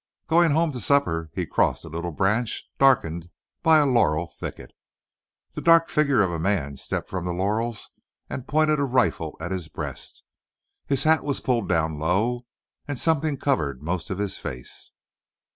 Going home to supper he crossed a little branch darkened by a laurel thicket. The dark figure of a man stepped from the laurels and pointed a rifle at his breast. His hat was pulled down low, and something covered most of his face.